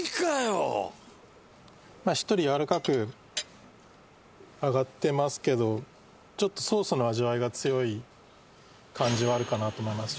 しっとり軟らかく揚がってますけどちょっとソースの味わいが強い感じはあるかなと思います